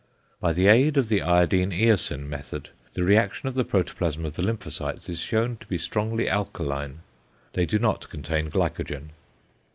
By the aid of the iodine eosine method the reaction of the protoplasm of the lymphocytes is shewn to be strongly alkaline. They do not contain glycogen.